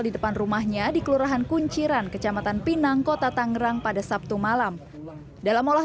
di depan rumahnya di kelurahan kunciran kecamatan pinang kota tangerang pada sabtu malam dalam olah